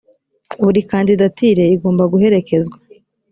buri kandidatire igomba guherekezwa